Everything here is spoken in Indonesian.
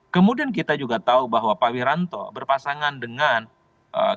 kemudian kita juga tahu bahwa pawiranto yang berpasangan dengan jk yang berpasangan dengan sby yang berpasangan dengan jk